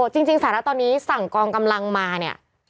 สหรัฐตอนนี้สั่งกองกำลังมาเนี่ย